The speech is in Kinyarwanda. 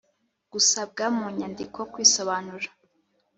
gusabwa mu nyandiko kwisobanura